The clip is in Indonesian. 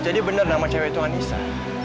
jadi bener nama cewek itu anissa